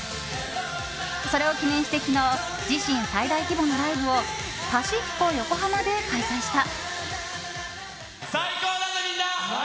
それを記念して昨日自身最大規模のライブをパシフィコ横浜で開催した。